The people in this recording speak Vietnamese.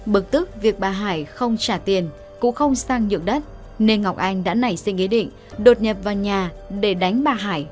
bực tức việc bà hải không trả tiền cũng không sang nhượng đất nên ngọc anh đã nảy sinh ý định đột nhập vào nhà để đánh bà hải